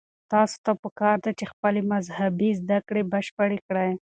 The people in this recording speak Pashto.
تاسو ته پکار ده چې خپلې مذهبي زده کړې بشپړې کړئ.